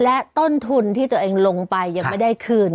และต้นทุนที่ตัวเองลงไปยังไม่ได้คืน